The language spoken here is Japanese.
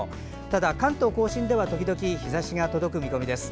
ただ、関東・甲信では時々、日ざしが届く見込みです。